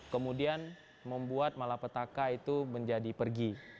kemudian membuat malapetaka itu menjadi pergi